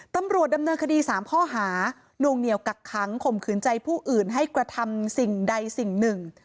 ตำรวจดำเนินคดี๓ข้อหานวงเหนียวกักขังข่มขืนใจผู้อื่นให้กระทำสิ่งใดสิ่งหนึ่ง